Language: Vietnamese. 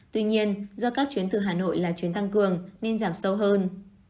tuy nhiên do các chuyến từ hà nội là chuyến tăng cường nên giảm sâu hơn